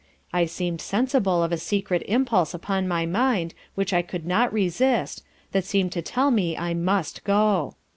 I seemed sensible of a secret impulse upon my mind which I could not resist that seemed to tell me I must go.